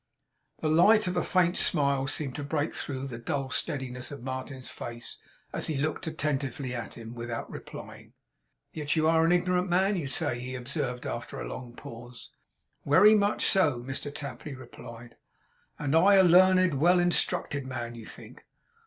The light of a faint smile seemed to break through the dull steadiness of Martin's face, as he looked attentively at him, without replying. 'Yet you are an ignorant man, you say,' he observed after a long pause. 'Werry much so,' Mr Tapley replied. 'And I a learned, well instructed man, you think?